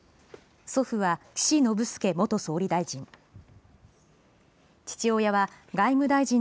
祖父は岸信介元総理大臣。